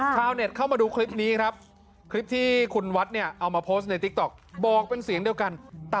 ข้าวแหน็ตเข้ามาดูคลิปนี้ครับที่คุณวัดเนี่ยเอามาโพสไปซื้อกดติ๊กต็อคบอกเป็นเสียงเดียวกัน